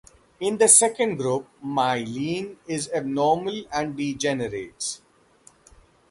In the second group, myelin is abnormal and degenerates.